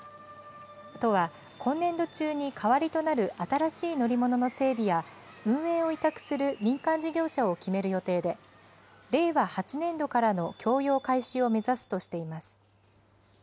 都は今年度中に代わりとなる新しい乗り物の整備や、運営を委託する民間事業者を決める予定で、令和８年度からの供用開始を目指すとしています。